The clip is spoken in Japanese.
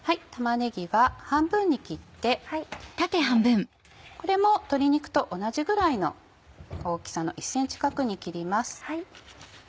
玉ねぎは半分に切ってこれも鶏肉と同じぐらいの大きさの１ｃｍ角に切ります。